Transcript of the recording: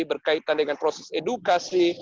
berkaitan dengan proses edukasi